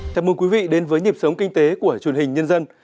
chào mừng quý vị đến với nhịp sống kinh tế của truyền hình nhân dân